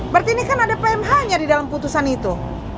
berarti ini kan ada pmh nya di dalam putusan itu